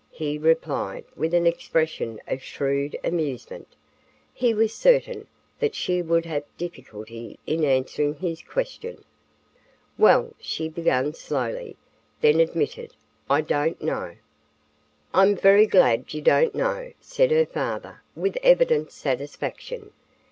he replied with an expression of shrewd amusement. He was certain that she would have difficulty in answering his question. "Well," she began slowly, then admitted: "I don't know." "I'm very glad you don't know," said her father with evident satisfaction.